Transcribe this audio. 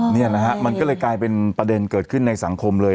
นี่นะฮะมันก็เลยกลายเป็นประเด็นเกิดขึ้นในสังคมเลย